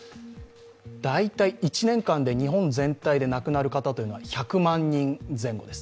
大体１年間で日本全体で亡くなる方は１００万人前後です。